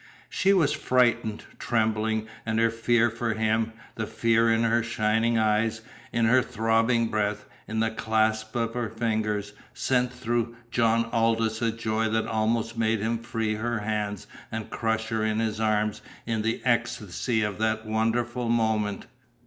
She was frightened, trembling; and her fear for him, the fear in her shining eyes, in her throbbing breath, in the clasp of her fingers, sent through John Aldous a joy that almost made him free her hands and crush her in his arms in the ecstasy of that wonderful moment.